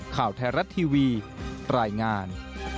ข่าวไทยรัฐทีวีรายงาน